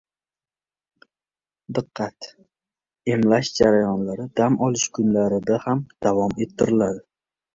Diqqat! Emlash jarayonlari dam olish kunlarida ham davom ettiriladi